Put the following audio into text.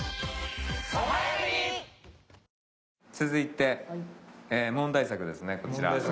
続いて問題作ですねこちら。